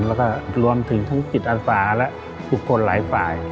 แล้วก็รวมถึงทั้งจิตอาสาและบุคคลหลายฝ่าย